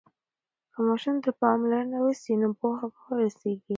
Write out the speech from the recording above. که ماشوم ته پاملرنه وسي نو پوهه به ورسيږي.